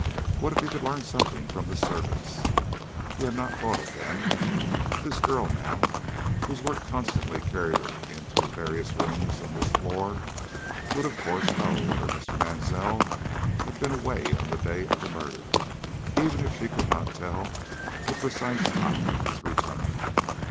What if he could learn something from the servants? He had not thought of them. This girl, now, whose work constantly carried her into the various rooms on this floor, would, of course, know whether Mr. Mansell had been away on the day of the murder, even if she could not tell the precise time of his return.